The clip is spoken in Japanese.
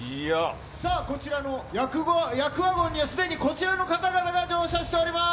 さあこちらの厄ワゴンには、すでにこちらの方々が乗車しております。